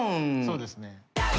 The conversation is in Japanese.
そうですね。